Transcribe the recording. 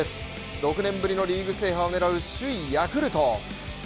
６年ぶりのリーグ制覇を狙う首位ヤクルト。